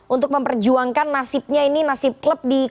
untuk memperjuangkan nasibnya ini nasib klub di komisi sepuluh